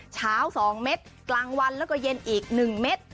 เช้า๒เม็ดกลางวันแล้วก็เย็นอีก๑เม็ด